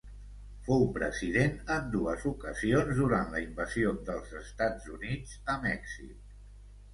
Fou president en dues ocasions durant la invasió dels Estats Units a Mèxic.